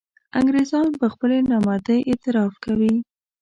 انګرېزان پر خپلې نامردۍ اعتراف کوي.